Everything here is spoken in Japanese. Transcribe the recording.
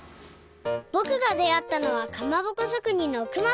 ぼくがであったのはかまぼこしょくにんの熊さん。